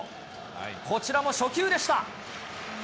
こちらも初球でした。